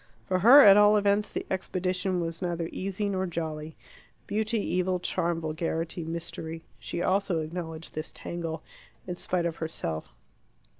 For her, at all events, the expedition was neither easy nor jolly. Beauty, evil, charm, vulgarity, mystery she also acknowledged this tangle, in spite of herself.